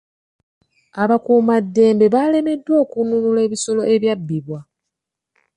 Abakuumaddembe balemereddwa okununula ebisolo ebyabbibwa.